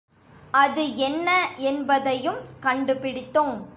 அது என்ன என்பதையும் கண்டு பிடித்தோம்.